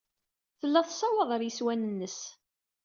Tella tessawaḍ ɣer yeswan-nnes.